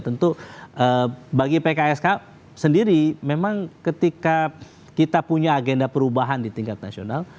tentu bagi pks sendiri memang ketika kita punya agenda perubahan di tingkat nasional